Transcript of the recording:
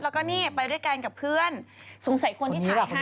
แล้วก็นี่ไปด้วยกันกับเพื่อนสงสัยคนที่ถ่ายให้